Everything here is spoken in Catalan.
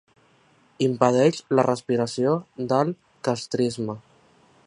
Impedeix la respiració del castrisme.